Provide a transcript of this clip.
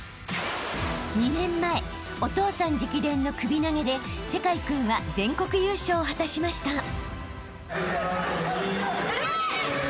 ［２年前お父さん直伝の首投げで聖魁君は全国優勝を果たしました］